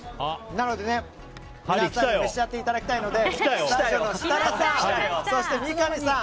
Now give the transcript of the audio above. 皆さん、召し上がっていただきたいのでスタジオの設楽さんそして三上さん